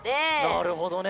なるほどね。